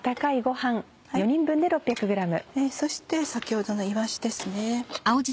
そして先ほどのいわしです。